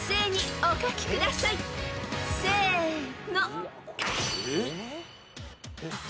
［せの］